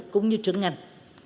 cũng như trưởng ngành